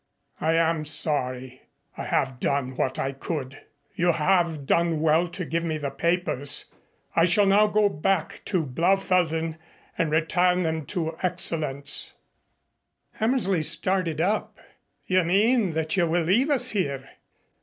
"I am sorry, I have done what I could. You have done well to give me the papers. I shall now go back to Blaufelden and return them to Excellenz." Hammersley started up. "You mean that you will leave us here?"